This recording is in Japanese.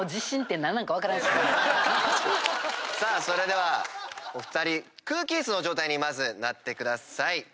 それではお二人空気椅子の状態にまずなってください。